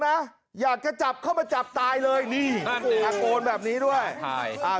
น่ะอยากจะจับเข้ามาจับตายเลยนี่ตะโกนแบบนี้ด้วยอ่า